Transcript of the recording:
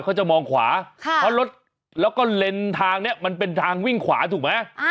เขาจะมองขวาแล้วก็เลนทางเนี่ยมันเป็นทางวิ่งขวาถูกไหม